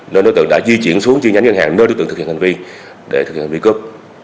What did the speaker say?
nên đối tượng đã di chuyển xuống chi nhánh ngân hàng nơi đối tượng thực hiện hành vi để thực hiện hành vi cướp